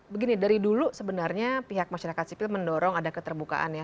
begini dari dulu sebenarnya pihak masyarakat sipil mendorong ada keterbukaan ya